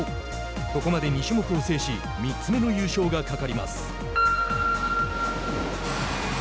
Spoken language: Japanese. ここまで２種目を制し３つ目の優勝がかかります。